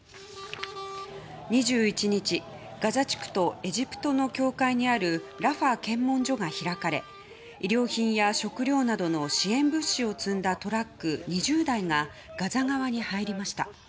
２１日、ガザ地区とエジプトの境界にあるラファ検問所が開かれ衣料品や食料などの支援物資を積んだトラック２０台がガザ側に入りました。